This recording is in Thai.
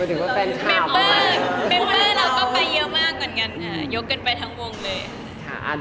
อืมก็